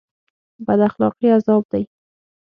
بد اخلاقي عذاب دی